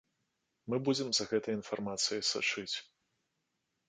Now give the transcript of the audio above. Мы будзем за гэтай інфармацыяй сачыць.